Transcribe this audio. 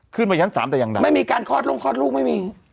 ขึ้นวัยยั้นสามแต่อย่างนั้นไม่มีการคลอดลงคลอดลูกไม่มี